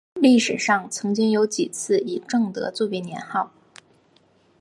历史上曾有几次以正德作为年号。